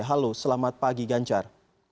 halo selamat pagi gancar